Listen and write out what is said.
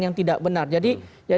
yang tidak benar jadi